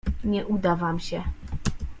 Nie uda wam się.